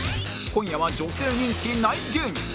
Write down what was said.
今夜は女性人気ない芸人